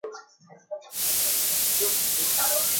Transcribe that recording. Waliwo abawubisa abantu baffe wano.